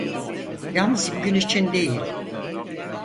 Yalnız bugün için değil…